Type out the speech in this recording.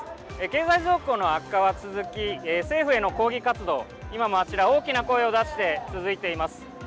経済状況の悪化は続き政府への抗議活動、今もあちら大きな声を出して続いています。